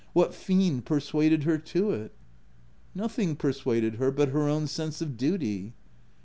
What fiend persuaded her to it ?"" Nothing persuaded her but her own sense of duty."